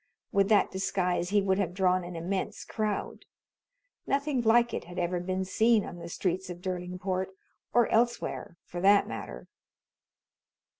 With that disguise he would have drawn an immense crowd. Nothing like it had ever been seen on the streets of Derlingport or elsewhere, for that matter.